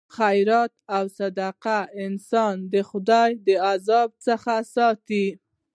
خیرات او صدقه انسان د خدای د عذاب څخه ساتي.